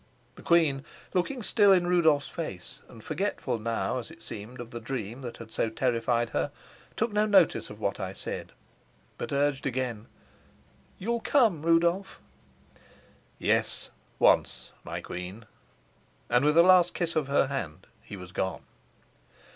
The queen, looking still in Rudolf's face, and forgetful now, as it seemed, of the dream that had so terrified her, took no notice of what I said, but urged again: "You'll come, Rudolf?" "Yes, once, my queen," and with a last kiss of her hand he was gone.